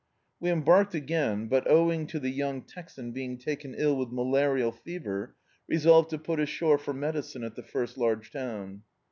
We embarked again, but owing to the young Texan being taken sick with malarial fever, resolved to put ashore for medicine at the first large town.